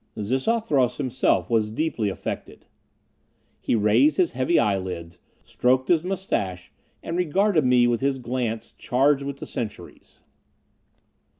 Xixouthros himself was deeply affected. He raised his heavy eyelids, stroked his moustache, and regarded me with his glance charged with the centuries.